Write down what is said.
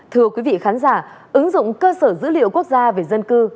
thưa quý vị khán giả ứng dụng cơ sở dữ liệu quốc gia về dân cư